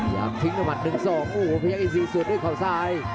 อยากทิ้งอุ่นมัน๑๒โอ้โหพยายามอีซีสูดด้วยข้อซ้าย